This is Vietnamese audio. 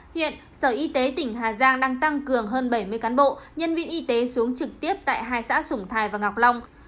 hiện sở y tế tỉnh hà giang đang tăng cường hơn bảy mươi cán bộ nhân viên y tế xuống trực tiếp tại hai xã sủng thái và ngọc long